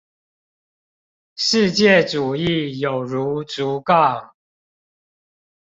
世界主義有如竹槓